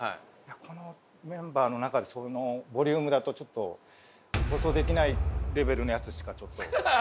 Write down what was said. このメンバーの中でそのボリュームだとちょっと放送できないレベルのやつしかちょっと。